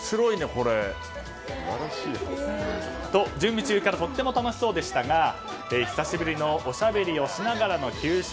これ。と、準備中からとても楽しそうでしたが久しぶりのおしゃべりをしながらの給食